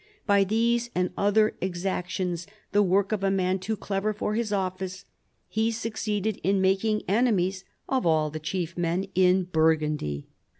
By these and other exactions, the work of a man too clever for his office, he succeeded in making enemies of all the chief men in Bur gundy."